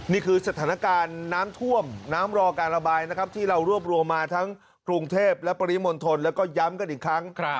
นี่คือสถานการณ์น้ำท่วมน้ำรอการระบายนะครับที่เรารวบรวมมาทั้งกรุงเทพและปริมณฑลแล้วก็ย้ำกันอีกครั้ง